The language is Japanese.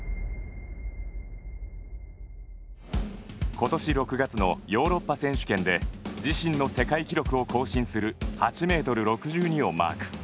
今年６月のヨーロッパ選手権で自身の世界記録を更新する８ｍ６２をマーク。